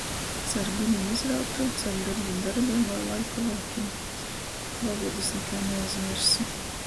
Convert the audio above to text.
Car gunim izrautuo, car dorbu dorbim voi laiku laikim. Tik volūdys nikai naaizmierssi.